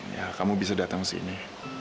ya kamu bisa datang ke sini